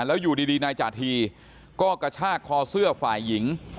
แล้วอยู่ดีนายจาธีก็กระชากคอเสื้อฝ่ายหญิง